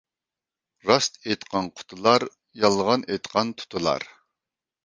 راست ئېيتقان قۇتۇلار، يالغان ئېيتقان تۇتۇلار.